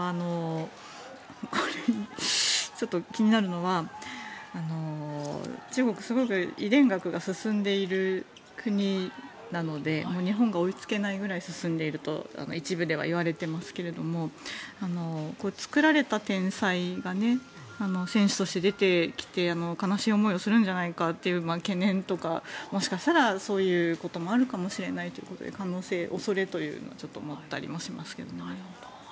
やっぱり気になるのは中国、すごく遺伝学が進んでいる国なので日本が追いつけないぐらい進んでいると一部ではいわれていますが作られた天才が選手として出てきて悲しい思いをするんじゃないかという懸念とかもしかしたらそういうこともあるかもしれないというので可能性、恐れというのはちょっと持ったりもします。